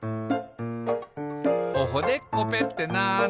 「おほでっこぺってなんだ？」